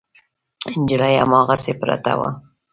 نجلۍ هماغسې پرته وه.